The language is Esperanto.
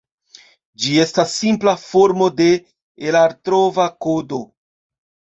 Ĝi estas simpla formo de erartrova kodo.